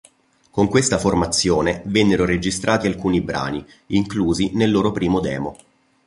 Con questa formazione vennero registrati alcuni brani, inclusi nel loro primo demo.